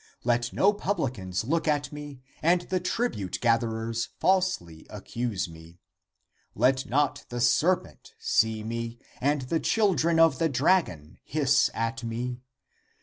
Let no publicans look at me and the tribute gatherers falsely accuse me ! Let not the serpent see me, and the children of the dragon hiss at me